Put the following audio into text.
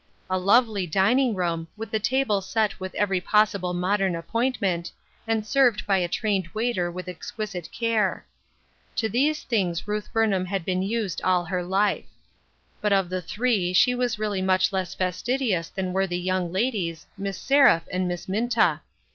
A lovely dining room, with the table set with every possible modern appointment, and served by a trained waiter with exquisite care. 8 AFTER SIX YEARS. To these things Ruth Burnham had been used all her life. But of the three she was really much less fastidious than were the young ladies, Miss Seraph and Miss Minta.